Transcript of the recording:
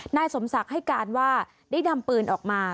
นายสมศักดิ์ให้การว่าได้นำปืนออกมา